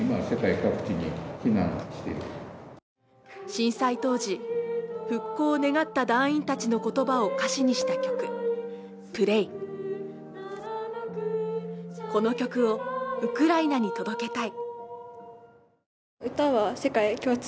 震災当時、復興を願った団員たちの言葉を歌詞にした曲「Ｐｒａｙ」この曲をウクライナに届けたい。